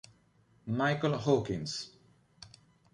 Michael Hawkins